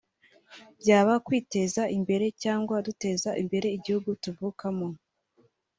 byaba kwiteza imbere cyangwa duteza imbere igihugu tuvukamo